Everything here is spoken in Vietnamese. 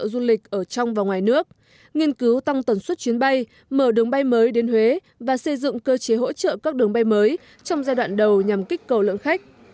du lịch ở trong và ngoài nước nghiên cứu tăng tần suất chuyến bay mở đường bay mới đến huế và xây dựng cơ chế hỗ trợ các đường bay mới trong giai đoạn đầu nhằm kích cầu lượng khách